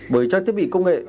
bởi trang thiết bị công nghệ